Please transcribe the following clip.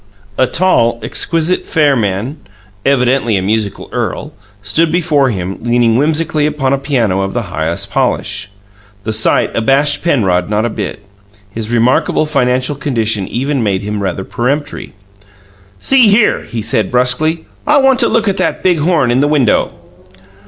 A tall, exquisite, fair man, evidently a musical earl, stood before him, leaning whimsically upon a piano of the highest polish. The sight abashed Penrod not a bit his remarkable financial condition even made him rather peremptory. "See here," he said brusquely: "I want to look at that big horn in the window."